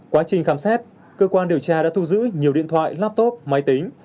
quá trình khám xét cơ quan điều tra đã thu giữ nhiều điện thoại laptop máy tính